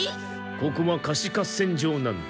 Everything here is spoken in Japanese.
ここは貸し合戦場なんだ。